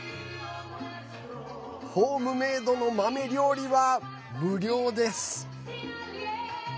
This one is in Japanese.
ホームメイドの豆料理は無料です。